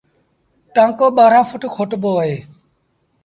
ٽآنڪو ٻآهرآن ڦٽ کوٽبو اهي۔